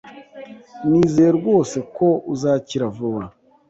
Nizeye rwose ko uzakira vuba.